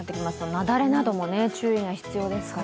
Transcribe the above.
雪崩などにも注意が必要ですから。